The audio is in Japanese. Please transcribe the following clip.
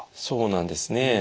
そうなんですね。